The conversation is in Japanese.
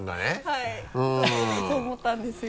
はいそう思ったんですよ。